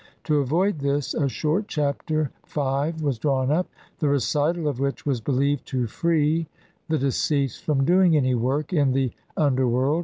To avoid this a short Chapter (V) was drawn up, the recital of which was believed to free the deceased from doing any work in the under world.